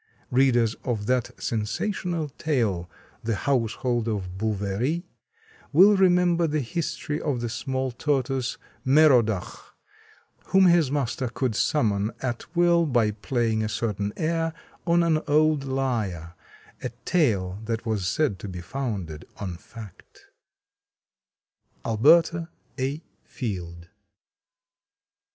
Readers of that sensational tale, "The Household of Bouverie," will remember the history of the small tortoise "Merodach" whom his master could summon at will by playing a certain air on an old lyre, a tale that was said to be founded on fact. Alberta A. Field.